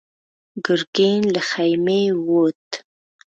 ګرګين له خيمې ووت.